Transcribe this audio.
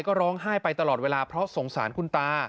ก็ร้องไห้ไปตลอดเวลาเพราะสงสารคุณตา